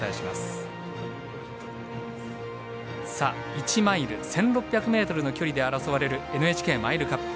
１マイル１６００ｍの距離で争われるＮＨＫマイルカップ。